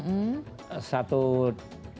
di daerah pematang siantar